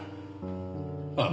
ああ。